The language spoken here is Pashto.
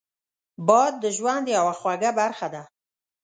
باد د ژوند یوه خوږه برخه ده